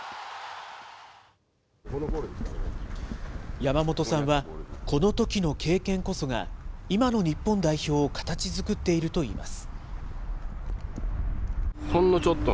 山本さんは、このときの経験こそが、今の日本代表を形づくっているといいます。